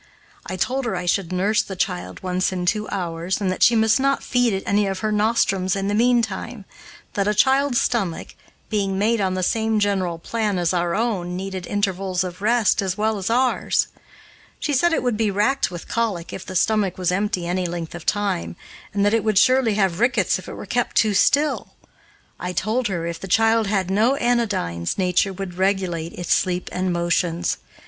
I told her I should nurse the child once in two hours, and that she must not feed it any of her nostrums in the meantime; that a child's stomach, being made on the same general plan as our own, needed intervals of rest as well as ours. She said it would be racked with colic if the stomach was empty any length of time, and that it would surely have rickets if it were kept too still. I told her if the child had no anodynes, nature would regulate its sleep and motions.